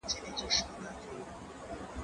هغه وويل چي کتابتوني کار مهم دي